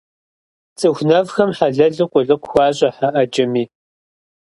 Цӏыху нэфхэм хьэлэлу къулыкъу хуащӏэ хьэ ӏэджэми.